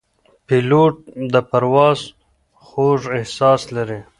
پیلوټ د پرواز خوږ احساس لري.